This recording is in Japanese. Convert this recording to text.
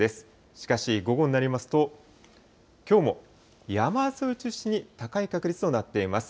しかし午後になりますと、きょうも山沿いを中心に高い確率となっています。